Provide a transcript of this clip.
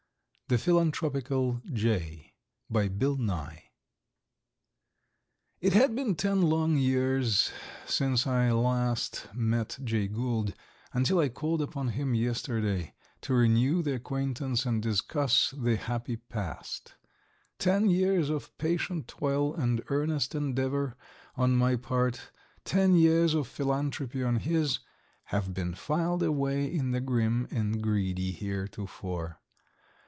The Philanthropical Jay It had been ten long years since I last met Jay Gould until I called upon him yesterday to renew the acquaintance and discuss the happy past. Ten years of patient toil and earnest endeavor on my part, ten years of philanthropy on his, have been filed away in the grim and greedy heretofore.